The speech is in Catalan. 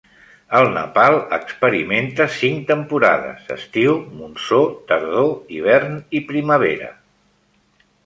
El Nepal experimenta cinc temporades: estiu, monsó, tardor, hivern i primavera.